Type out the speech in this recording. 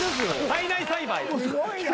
体内栽培。